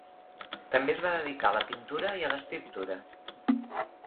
També es va dedicar a la pintura i a l'escriptura.